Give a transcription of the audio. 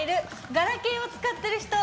ガラケーを使ってる人。